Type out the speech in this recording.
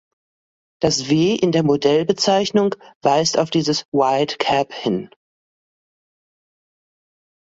Das „W“ in der Modellbezeichnung weist auf dieses "Wide cab" hin.